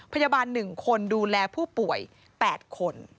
พยาบาล๑คนดูแลผู้ป่วย๘คน